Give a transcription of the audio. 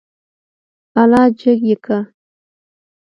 اله جګ يې که.